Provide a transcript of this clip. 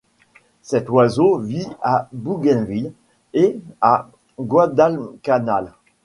Cet oiseau vit à Bougainville et à Guadalcanal.